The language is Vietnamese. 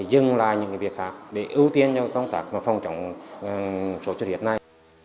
dừng lại những việc khác để ưu tiên cho công tác phòng chống số chất hiện nay